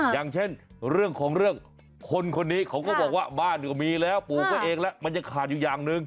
อย่างเช่นเรื่องของเรื่องคนคนนี้เขาก็บอกว่าบ้านก็มีแล้วปลูกก็เองแล้วมันยังขาดอยู่อย่างหนึ่ง